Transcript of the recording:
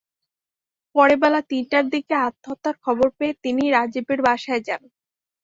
পরে বেলা তিনটার দিকে আত্মহত্যার খবর পেয়ে তিনি রাজীবের বাসায় যান।